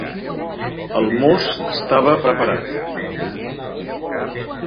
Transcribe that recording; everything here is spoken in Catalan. El mos estava preparat.